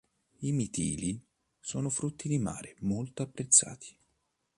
I mitili sono frutti di mare molto apprezzati.